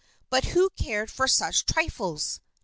But who cared for such trifles?